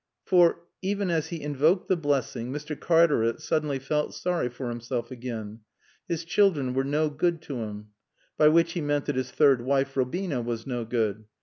For, even as he invoked the blessing Mr. Cartaret suddenly felt sorry for himself again. His children were no good to him. By which he meant that his third wife, Robina, was no good.